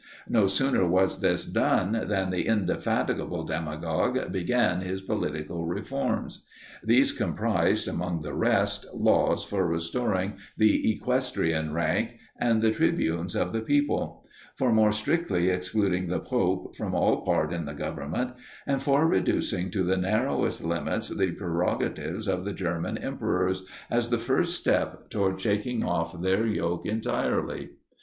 No sooner was this done, than the indefatigable demagogue began his political reforms. These comprised, among the rest, laws for restoring the equestrian rank, and the tribunes of the people; for more strictly excluding the pope from all part in the government; and for reducing to the narrowest limits the prerogatives of the German emperors, as the first step towards shaking off their yoke entirely.